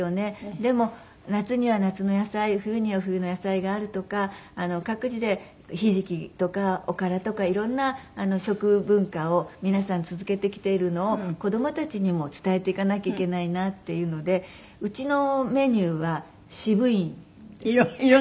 でも夏には夏の野菜冬には冬の野菜があるとか各自でひじきとかおからとか色んな食文化を皆さん続けてきているのを子供たちにも伝えていかなきゃいけないなっていうのでうちのメニューは渋いです。